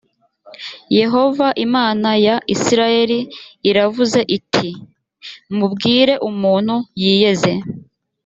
yehova imana ya isirayeli iravuze ati: mubwire umuntu yiyeze